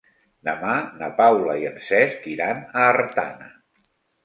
Demà na Paula i en Cesc iran a Artana.